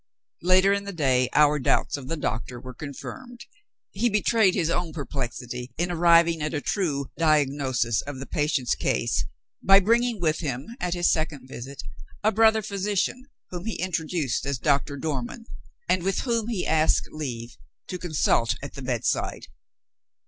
Later in the day, our doubts of the doctor were confirmed. He betrayed his own perplexity in arriving at a true "diagnosis" of the patient's case, by bringing with him, at his second visit, a brother physician, whom he introduced as Doctor Dormann, and with whom he asked leave to consult at the bedside.